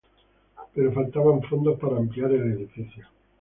Pero faltaban fondos para ampliar el edificio.